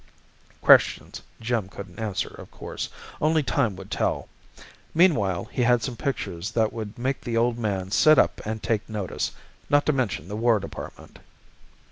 Questions Jim couldn't answer, of course. Only time would tell. Meanwhile, he had some pictures that would make the Old Man sit up and take notice, not to mention the War Department.